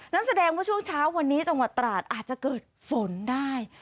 นั่นแสดงว่าช่วงเช้าวันนี้จังหวัดตราดอาจจะเกิดฝนได้